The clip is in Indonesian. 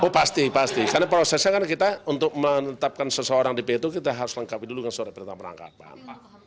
pasti pasti karena prosesnya kita untuk menetapkan seseorang di ptu kita harus lengkapi dulu dengan surat perintah penangkapan